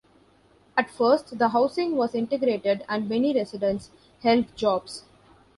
At first, the housing was integrated and many residents held jobs.